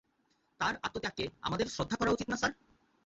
তার আত্মত্যাগকে আমাদের শ্রদ্ধা করা উচিত না, স্যার?